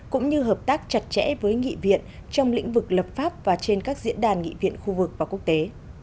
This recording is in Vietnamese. cũng như hợp tác chặt chẽ với nghị viện trong lĩnh vực lập pháp và trên các diễn đàn nghị viện khu vực và quốc tế